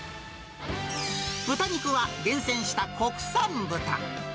豚肉は厳選した国産豚。